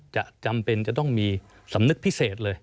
จำเป็นจะต้องมีสำนึกพิเศษเลย